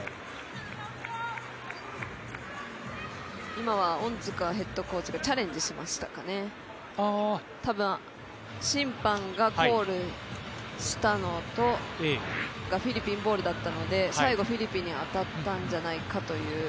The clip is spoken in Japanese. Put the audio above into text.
今は恩塚ヘッドコーチがチャレンジしましたかね、多分、審判がコールしたのがフィリピンボールだったので、最後、フィリピンに当たったんじゃないかという。